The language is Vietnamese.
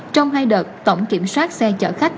trong hai đợt tổng kiểm soát xe chở khách